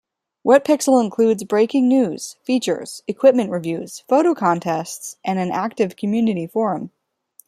Wetpixel includes breaking news, features, equipment reviews, photo contests, and an active community forum.